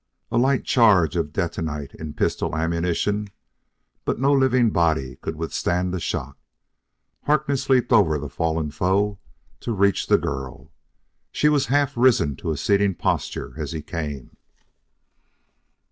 A light charge of detonite in pistol ammunition but no living body could withstand the shock. Harkness leaped over the fallen foe to reach the girl. She was half risen to a sitting posture as he came.